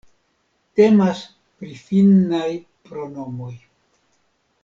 Temas pri finnaj pronomoj.